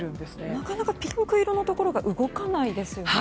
なかなかピンク色のところ動かないですよね。